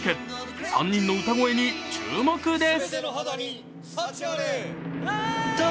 ３人の歌声に注目です。